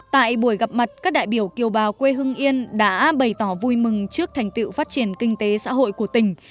tại buổi gặp mặt các đại biểu kiều bào quê hương yên đã bày tỏ vui mừng trước thành tiệu phát triển kinh tế xã hội của tỉnh